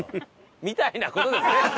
みたいな事ですね。